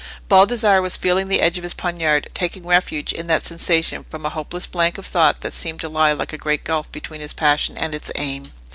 Baldassarre was feeling the edge of his poniard, taking refuge in that sensation from a hopeless blank of thought that seemed to lie like a great gulf between his passion and its aim.